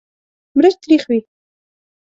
مرچ تریخ وي.